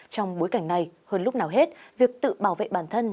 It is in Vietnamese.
trong bối cảnh này hơn lúc nào hết việc tự bảo vệ bản thân